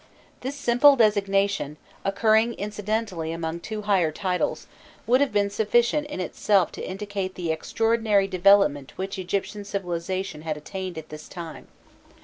This simple designation, occurring incidentally among two higher titles, would have been sufficient in itself to indicate the extraordinary development which Egyptian civilization had attained at this time.